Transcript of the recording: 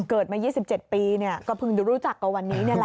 เกิดมา๒๗ปีก็เพิ่งรู้จักกว่าวันนี้นี่แหละ